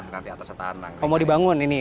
nanti atas setanang oh mau dibangun ini